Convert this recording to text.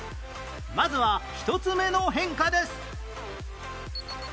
まずは１つ目の変化です